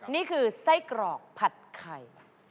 นี่คือไส้กรอกผัดไข่